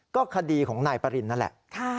ก็คดีของนายปรินนั่นแหละ